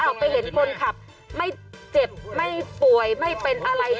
ออกไปเห็นคนขับไม่เจ็บไม่ป่วยไม่เป็นอะไร